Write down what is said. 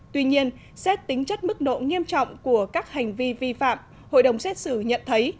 tuy nhiên xét tính chất mức độ nghiêm trọng của các hành vi vi phạm hội đồng xét xử nhận thấy